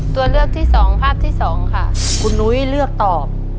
ตัวเลือกที่สองภาพที่สองค่ะคุณนุ้ยเลือกตอบ